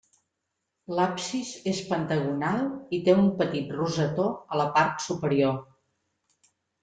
L'absis és pentagonal i té un petit rosetó a la part superior.